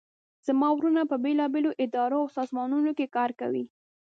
زما وروڼه په بیلابیلو اداراو او سازمانونو کې کار کوي